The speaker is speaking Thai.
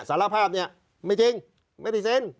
สารภาพเนี่ยไม่จริงไม่ได้เซ็น